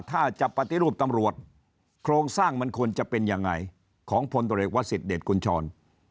ถ้าจะปฏิรูปตำรวจโครงสร้างมันควรจะเป็นยังไงของพลตรวจเอกวสิทธเดชกุญชร